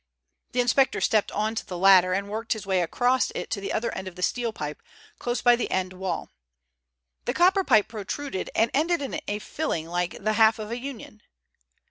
The inspector stepped on to the ladder and worked his way across it to the other end of the steel pipe, close by the end wall. The copper pipe protruded and ended in a filling like the half of a union.